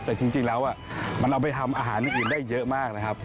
แต่จริงแล้วมันเอาไปทำอาหารอื่นได้เยอะมากนะครับ